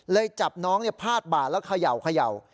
จับน้องพาดบ่าแล้วเขย่า